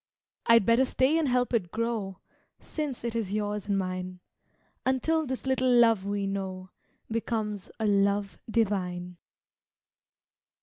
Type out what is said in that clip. I'd better stay and help it grow, Since it is yours and mine, Until this little love we know Becomes a love divine.